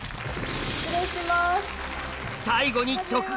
失礼します。